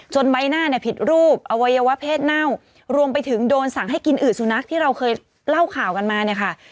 ใบหน้าเนี่ยผิดรูปอวัยวะเพศเน่ารวมไปถึงโดนสั่งให้กินอืดสุนัขที่เราเคยเล่าข่าวกันมาเนี่ยค่ะ